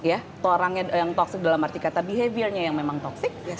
atau orangnya yang toxic dalam arti kata behaviornya yang memang toxic